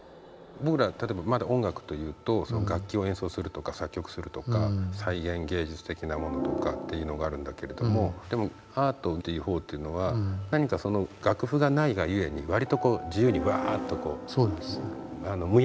僕ら例えばまだ音楽というと楽器を演奏するとか作曲するとか再現芸術的なものとかっていうのがあるんだけれどもでもアートでいうと何か楽譜がないがゆえに割と自由にワーッとむやみに広がっている。